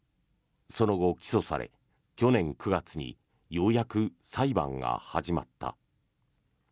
その後、起訴され、去年９月にようやく裁判が始まった。